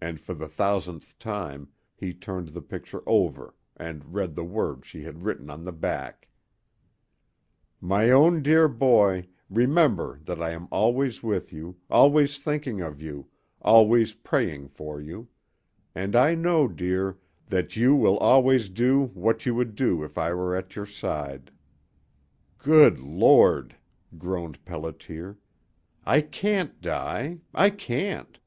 And for the thousandth time he turned the picture over and read the words she had written on the back: "My own dear boy, remember that I am always with you, always thinking of you, always praying for you; and I know, dear, that you will always do what you would do if I were at your side." "Good Lord!" groaned Pelliter. "I can't die! I can't!